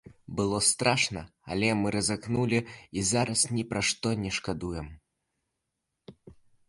Было страшна, але мы рызыкнулі і зараз ні пра што не шкадуем.